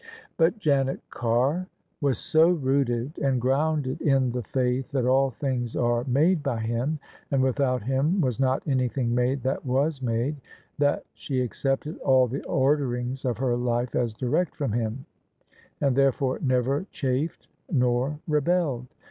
But Janet Carr was so rooted and grounded in the faith that all things are made by Him, and without Him was not anything made that was made, that she accepted all the orderings of her life as direct from Him, and therefore never chafed nor rebelled.